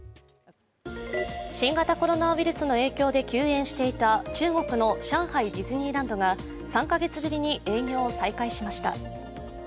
新型コロナウイルスの影響で休園していた中国の上海ディズニーランドが３カ月ぶりに営業を再開しました。